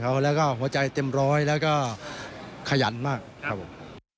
ของเลยก็หัวใจเต็มร้อยแล้วก็ขยันมากครับนะครับ